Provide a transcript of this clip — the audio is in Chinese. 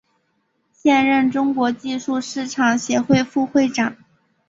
现任中国技术市场协会副会长。